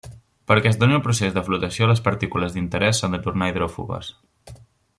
Perquè es doni el procés de flotació les partícules d'interès s'han de tornar hidròfobes.